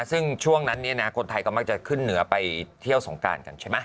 ซึ่งช่วงนั้นคนไทยก็มากจะขื่นเหนือไปเที่ยวสงกราร